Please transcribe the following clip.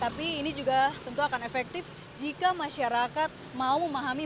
tapi ini juga tentu akan efektif jika masyarakat mau memahami